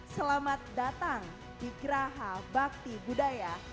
selamat datang di geraha bakti budaya